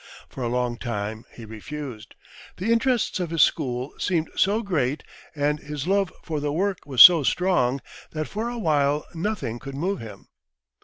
For a long time he refused. The interests of his school seemed so great, and his love for the work was so strong, that for a while nothing could move him.